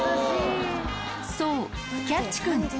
そう、キャッチくん。